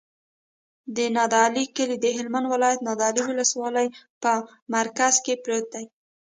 د نادعلي کلی د هلمند ولایت، نادعلي ولسوالي په مرکز کې پروت دی.